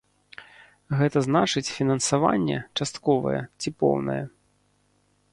Гэта значыць, фінансаванне, частковае ці поўнае.